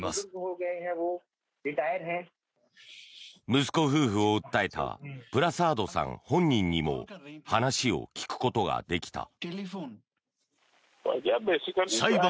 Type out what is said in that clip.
息子夫婦を訴えたプラサードさん本人にも話を聞くことができた。